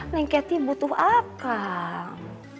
neng keti butuh akang